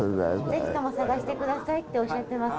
ぜひとも探してくださいっておっしゃってます。